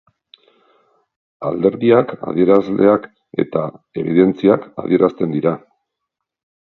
Alderdiak, adierazleak eta ebidentziak adierazten dira.